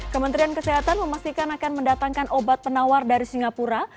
kementerian kesehatan memastikan akan mendatangkan obat penawar dari singapura